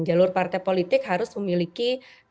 jalur partai politik harus memiliki dua puluh